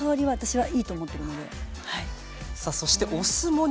はい。